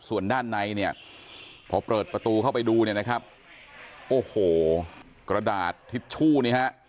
ส่วนด้านในเนี่ยพอเปิดประตูเข้าไปดูเนี่ยนะครับโอ้โหกระดาษทิชชู่นี่ฮะ